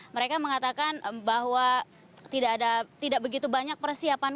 mereka mengatakan bahwa tidak ada tidak begitu banyak persiapan